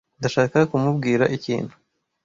ndashaka kumubwira ikintu